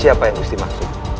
siapa yang gusti maksud